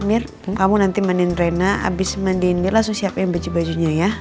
mir kamu nanti mandiin reyna abis mandiin dia langsung siapin baju bajunya ya